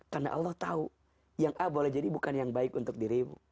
karena allah tahu yang a boleh jadi bukan yang baik untuk dirimu